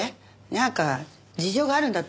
なんか事情があるんだったらさ